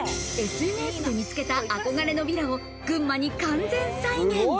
ＳＮＳで見つけた憧れのヴィラを群馬に完全再現。